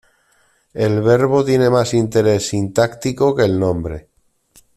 El verbo tiene más interés sintáctico que el nombre.